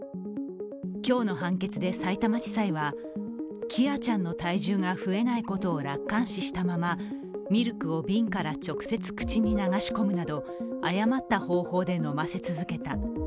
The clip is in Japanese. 今日の判決でさいたま地裁は喜空ちゃんの体重が増えないことを楽観視したままミルクを瓶から直接口に流し込むなど、誤った方法で飲ませ続けた。